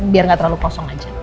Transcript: biar gak terlalu kosong aja